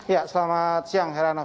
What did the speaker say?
ya selamat siang heranov